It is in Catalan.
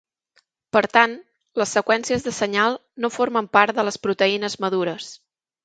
Per tant, les seqüències de senyal no formen part de les proteïnes madures.